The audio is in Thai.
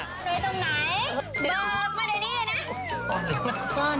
โดยตรงไหนบอกมาด้วยนี่นะ